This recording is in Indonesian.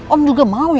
om juga mau ya